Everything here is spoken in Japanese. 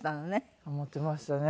思っていましたね。